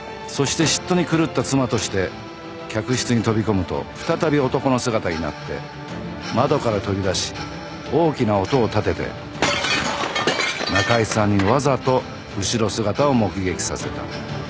そして嫉妬に狂った妻として客室に飛び込むと再び男の姿になって窓から飛び出し大きな音を立てて仲居さんにわざと後ろ姿を目撃させた。